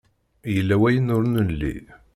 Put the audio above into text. Yella wayen ur nelli.